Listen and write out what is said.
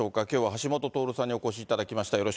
きょうは橋下徹さんにお越しいただきました。